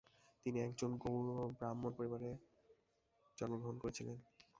তিনি এক গৌড় ব্রাহ্মণ পরিবারে জন্মগ্রহণ করেছিলেন।